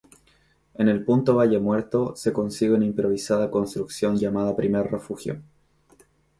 En el punto valle Muerto se consigue una improvisada construcción llamado primer refugio.